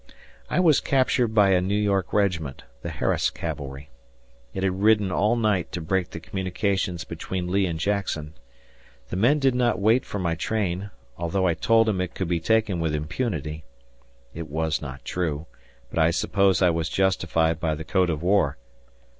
I was captured by a New York regiment the Harris Cavalry. It had ridden all night to break the communications between Lee and Jackson.The men did not wait for my train, although I told them it could be taken with impunity. It was not true, but I suppose I was justified by the code of war.